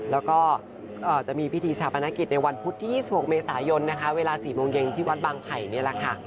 แล้วก็จะมีพิธีชาปนกิจในวันพุธที่๒๖เมษายนนะคะเวลา๔โมงเย็นที่วัดบางไผ่นี่แหละค่ะ